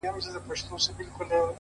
زه نو بيا څنگه مخ در واړومه”